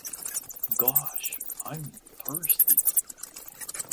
Gosh, I'm thirsty.